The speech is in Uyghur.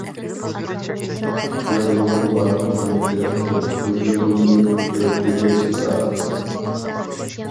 يىغلىغۇم بار قېنىپ بىر قېتىم، ۋۇجۇدۇمنى ئۆرتىگەچ پىراق.